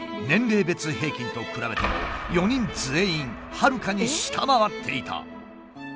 年齢別平均と比べても４人全員はるかに下回っていた。